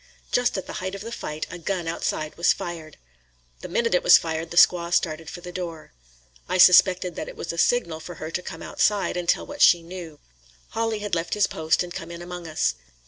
Just at the height of the fight, a gun outside was fired. The minute it was fired, the squaw started for the door. I suspected that it was a signal for her to come outside, and tell what she knew. Hawley had left his post and come in among us.